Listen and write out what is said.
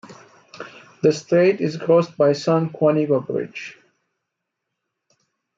The strait is crossed by the San Juanico Bridge.